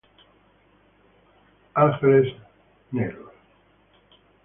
Black Angels.